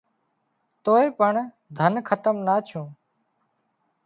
توئي پڻ ڌنَ کتم نا ڇُون